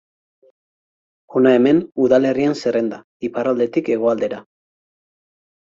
Hona hemen udalerrien zerrenda, iparraldetik hegoaldera.